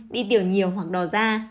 đi tiểu nhiều hoặc đỏ da